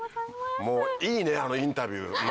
もういいねあのインタビュー。